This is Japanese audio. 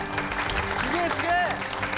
すげえすげえ！